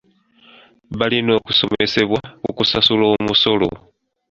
Balina okusomesebwa ku kusasula omusolo.